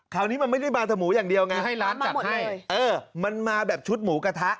คราวนี้มันไม่ได้มาถมูอย่างเดียวไงให้ร้านจัดให้เออมันมาแบบชุดหมูกระทะ